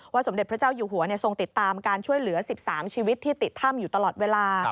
สมเด็จพระเจ้าอยู่หัวทรงติดตามการช่วยเหลือ๑๓ชีวิตที่ติดถ้ำอยู่ตลอดเวลา